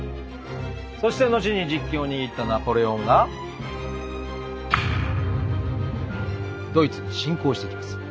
そして後に実権を握ったナポレオンがドイツに侵攻してきます。